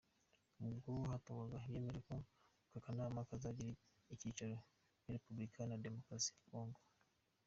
Ubwo yatorwaga hamejwe ko aka kanama kazagira icyicaro muri Repubulika Iharanira Demukarasi ya Kongo.